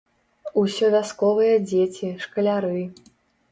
Усё вясковыя дзеці, шкаляры.